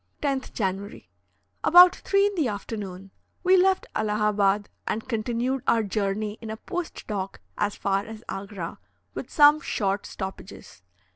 10th January. About 3 in the afternoon, we left Allahabad and continued our journey in a post dock as far as Agra, with some short stoppages.